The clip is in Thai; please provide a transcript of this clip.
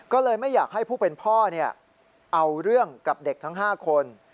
ก็เลยไม่อยากให้ผู้เป็นพ่อเอาเรื่องกับเด็กทั้ง๕คน